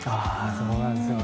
そうなんですね。